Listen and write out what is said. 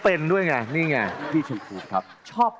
เออพี่กุฎครับ